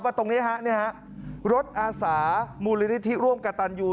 ว่าตรงนี้รถอาสามูลลิฤทธิร่วมกับตันยู